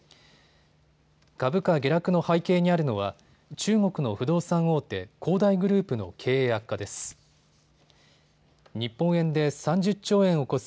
株価下落の背景にあるのは中国の不動産大手、恒大グループの経営悪化です。